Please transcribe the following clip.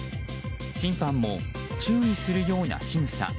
審判も注意するようなしぐさ。